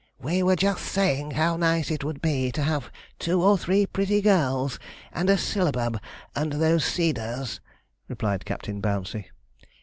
'We were just saying how nice it would be to have two or three pretty girls, and a sillabub, under those cedars,' replied Captain Bouncey.